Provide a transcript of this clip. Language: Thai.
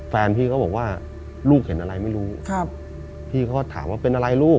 แฟนพี่เขาบอกว่าลูกเห็นอะไรไม่รู้ครับพี่เขาก็ถามว่าเป็นอะไรลูก